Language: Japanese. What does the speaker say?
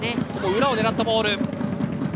裏を狙ったボール